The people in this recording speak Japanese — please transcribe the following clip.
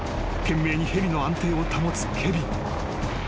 ［懸命にヘリの安定を保つケビン］